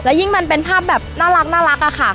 ยิ่งมันเป็นภาพแบบน่ารักอะค่ะ